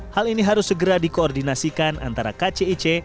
hal ini harus segera dikoordinasikan antara kcic